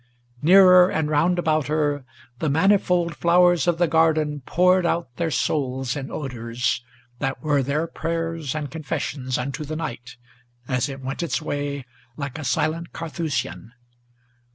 Nearer and round about her, the manifold flowers of the garden Poured out their souls in odors, that were their prayers and confessions Unto the night, as it went its way, like a silent Carthusian.